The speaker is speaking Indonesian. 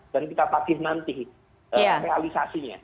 dan kita takdir nanti realisasinya